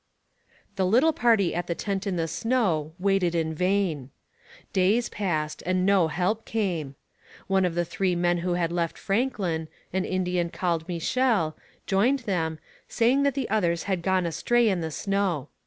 The little party at the tent in the snow waited in vain. Days passed, and no help came. One of the three men who had left Franklin, an Indian called Michel, joined them, saying that the others had gone astray in the snow.